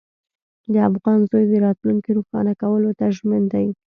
د افغان زوی د راتلونکي روښانه کولو ته ژمن دی.